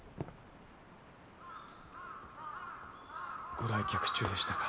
ご来客中でしたか。